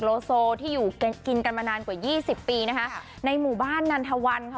โลโซที่อยู่กินกันมานานกว่ายี่สิบปีนะคะในหมู่บ้านนันทวันค่ะ